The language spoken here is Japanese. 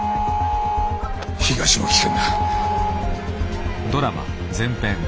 東も危険だ。